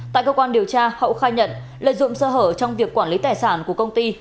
tại cơ quan điều tra hậu khai nhận lợi dụng sơ hở trong việc quản lý tài sản của công ty